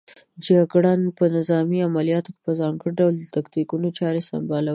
جګړن په نظامي عملیاتو کې په ځانګړي ډول د تاکتیکونو چارې سنبالوي.